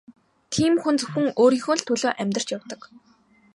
Тийм хүн зөвхөн өөрийнхөө л төлөө амьдарч явдаг.